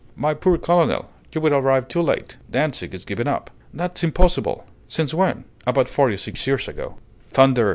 "My poor colonel, you will arrive too late. Dantzic is given up." "That's impossible! Since when?" "About forty six years ago." "Thunder!